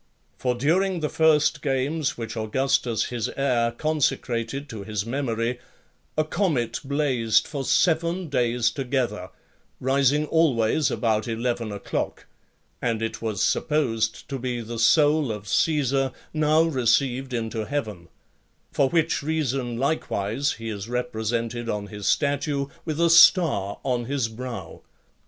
For during the first games which Augustus, his heir, consecrated to his memory, a comet blazed for seven days together, rising always about eleven o'clock; and it was supposed to be the soul of Caesar, now received into heaven: for which reason, likewise, he is represented on his statue with a star on his brow.